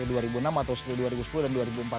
dari dua ribu sepuluh dan dua ribu empat belas